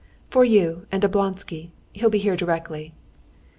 "For you and Oblonsky. He'll be here directly."